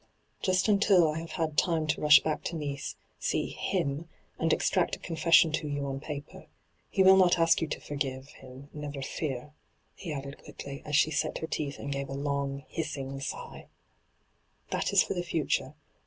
' Just until I have had time to rush back to Nice, see him, and extract a confession to you on paper. He will not ask you to forgive , him, never fear,' he added quickly, as she set her teeth and gave a long, hissing sigh. hyGoogIc 246 ENTRAPPED * That is for the future.